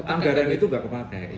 anggaran itu tidak terpakai